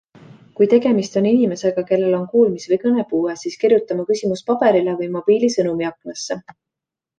Kui tegemist on inimesega, kel on kuulmis- või kõnepuue, siis kirjuta oma küsimus paberile või mobiili sõnumiaknasse.